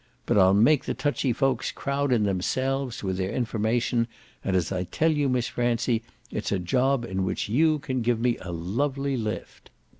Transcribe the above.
But I'll make the touchy folks crowd in THEMSELVES with their information, and as I tell you, Miss Francie, it's a job in which you can give me a lovely lift."